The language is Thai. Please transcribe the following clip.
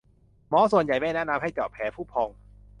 หมอส่วนใหญ่ไม่แนะนำให้เจาะแผลผุพอง